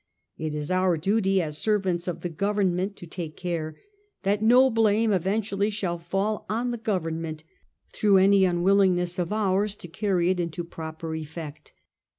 It is our duty as servants of the Government to take care that no blame eventually shall fall on the Government through any unwillingness of ours to 96 A HISTORY OF OUR OWN TIMES. cm it . carry it into proper effect.